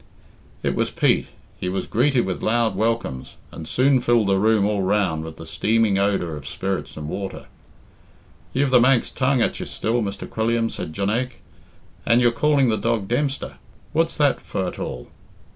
It was Pete. He was greeted with loud welcomes, and soon filled the room all round with the steaming odour of spirits and water. "You've the Manx tongue at you still, Mr. Quilliam," said Jonaique; "and you're calling the dog Dempster; what's that for at all?"